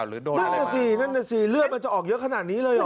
นั่นน่ะสินั่นน่ะสิเลือดมันจะออกเยอะขนาดนี้เลยเหรอ